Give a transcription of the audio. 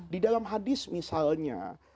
di dalam hadis misalnya